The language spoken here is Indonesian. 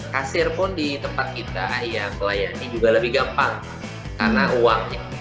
kasir pun di tempat kita ya pelayani juga lebih gampang karena uangnya